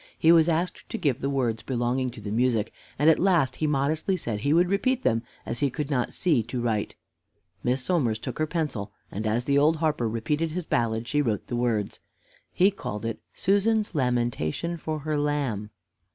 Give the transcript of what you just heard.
He was asked to give the words belonging to the music, and at last he modestly said he would repeat them, as he could not see to write. Miss Somers took her pencil, and as the old harper repeated his ballad, she wrote the words. He called it "Susan's Lamentation for her Lamb."